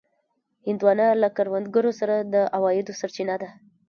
هندوانه له کروندګرو سره د عوایدو سرچینه ده.